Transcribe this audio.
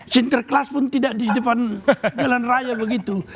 sinterklas pun tidak di depan jalan raya begitu